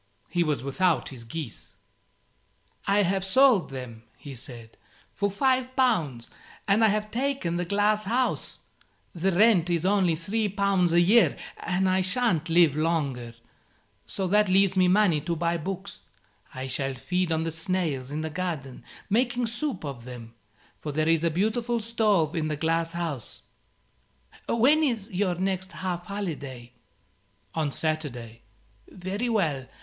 He was without his geese. "I have sold them," he said, "for 5 pounds; and I have taken the glass house. The rent is only 3 pounds a year, and I shan't live longer, so that leaves me money to buy books. I shall feed on the snails in the garden, making soup of them, for there is a beautiful stove in the glass house. When is your next half holiday?" "On Saturday." "Very well.